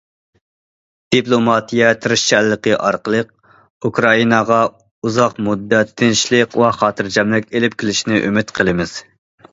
دىپلوماتىيە تىرىشچانلىقى ئارقىلىق، ئۇكرائىناغا ئۇزاق مۇددەت تىنچلىق ۋە خاتىرجەملىك ئېلىپ كېلىشىنى ئۈمىد قىلىمىز.